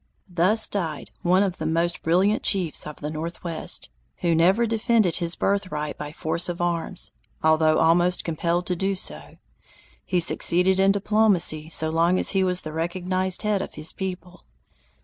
Thus died one of the most brilliant chiefs of the Northwest, who never defended his birthright by force of arms, although almost compelled to do so. He succeeded in diplomacy so long as he was the recognized head of his people.